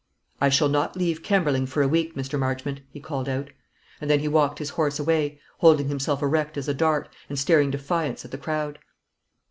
"I shall not leave Kemberling for a week, Mr. Marchmont," he called out; and then he walked his horse away, holding himself erect as a dart, and staring defiance at the crowd.